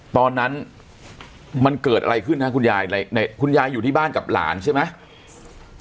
ตอนนั้นมันเกิดอะไรขึ้นฮะคุณยายคุณยายอยู่ที่บ้านกับหลานใช่ไหม